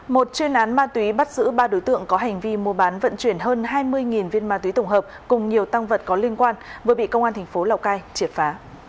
một chuyên án ma túy bắt giữ ba đối tượng có hành vi mua bán vận chuyển hơn hai mươi viên ma túy tổng hợp cùng nhiều tăng vật có liên quan vừa bị công an thành phố lào cai triệt phá